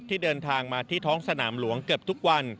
เดินทางมาที่ท้องสนามหลวงเกือบทุกวัน